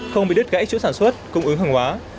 không bị đứt gãy chuỗi sản xuất cung ứng hàng hóa